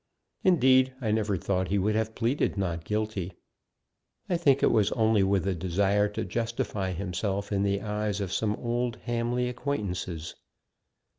Indeed, I never thought he would have pleaded 'Not Guilty.' I think it was only with a desire to justify himself in the eyes of some old Hamley acquaintances.